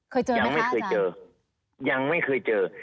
เคยเจอไหมคะอาจารย์ยังไม่เคยเจอ